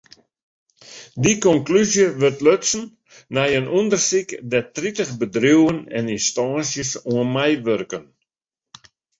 Dy konklúzje wurdt lutsen nei in ûndersyk dêr't tritich bedriuwen en ynstânsjes oan meiwurken.